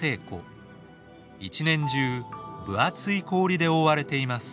一年中分厚い氷で覆われています。